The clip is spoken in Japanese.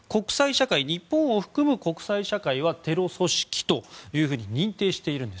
日本を含む国際社会はテロ組織と認定しているんです。